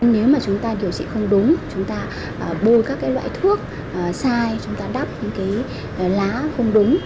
nếu mà chúng ta điều trị không đúng chúng ta bôi các loại thuốc sai chúng ta đắp những lá không đúng